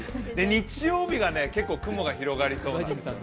日曜日が結構雲が広がりそうなんですよ。